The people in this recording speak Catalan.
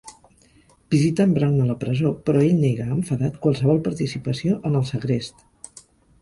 Visiten Brown a la presó, però ell nega enfadat qualsevol participació en el segrest.